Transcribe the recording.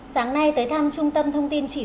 sáng nay tới thăm trung tâm thông tin chỉ huy